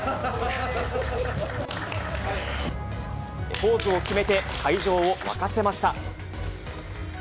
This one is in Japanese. ポーズを決めて、会場を沸かせました。